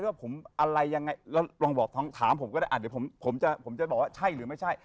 ว่าผมอะไรยังไงลองถามผมก็ได้เดี๋ยวผมจะบอกว่าใช่หรือไม่ใช่